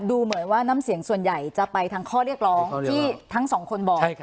ดูเหมือนว่าน้ำเสียงส่วนใหญ่จะไปทางข้อเรียกร้องที่ทั้งสองคนบอก